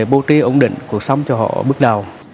thời bố trí ổn định cuộc sống cho họ bước đầu